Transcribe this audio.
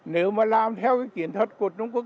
nếu mà làm theo cái chiến thuật của trung quốc